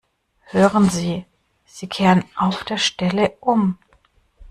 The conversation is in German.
Hören Sie, Sie kehren auf der Stelle um!